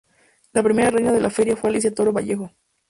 La primera reina de la Feria fue Alicia Toro Vallejo.